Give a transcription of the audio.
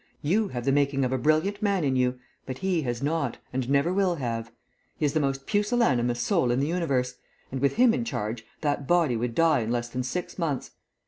You have the making of a brilliant man in you, but he has not, and never will have. He is the most pusillanimous soul in the universe, and with him in charge, that body would die in less than six months.